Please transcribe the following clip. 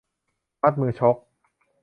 มัดมือชก